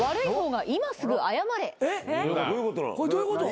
えっこれどういうこと？